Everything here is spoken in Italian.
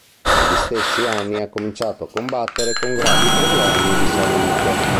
Negli stessi anni ha cominciato a combattere con gravi problemi di salute.